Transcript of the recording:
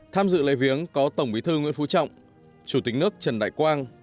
tham dự lễ viếng có tổng bí thư nguyễn phú trọng chủ tịch nước trần đại quang